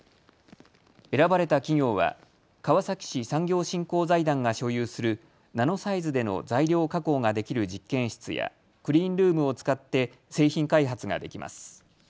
選ばれた企業は川崎市産業振興財団が所有するナノサイズでの材料加工ができる実験室やクリーンルームを使って製品開発ができます。